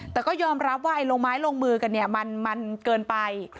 แต่ก็ยอมรับว่าลงไม้ลงมือกันเนี่ยมันเกินไป